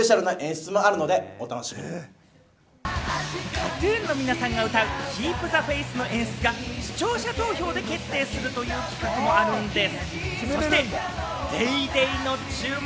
ＫＡＴ−ＴＵＮの皆さんが歌う『Ｋｅｅｐｔｈｅｆａｉｔｈ』の演出が視聴者投票で決定するという企画があるんです。